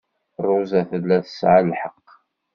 Ṛuza tella tesɛa lḥeqq.